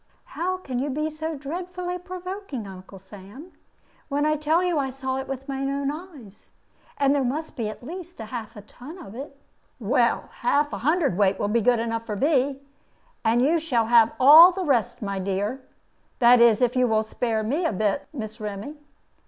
"How can you be so dreadfully provoking, Uncle Sam, when I tell you that I saw it with my own eyes? And there must be at least half a ton of it." "Well, half a hundred weight will be enough for me. And you shall have all the rest, my dear that is, if you will spare me a bit, Miss Remy.